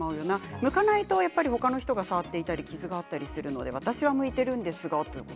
むかないと他の人が触っていたり傷があったりするので私はむいているんですが。